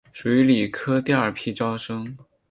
属于理科第二批招生。